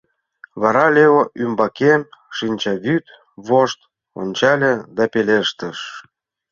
Вара Лео ӱмбакем шинчавӱд вошт ончале да пелештыш: